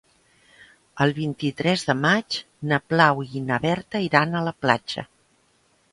El vint-i-tres de maig na Blau i na Berta iran a la platja.